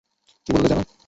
কী বললে যেন?